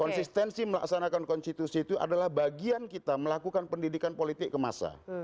konsistensi melaksanakan konstitusi itu adalah bagian kita melakukan pendidikan politik ke masa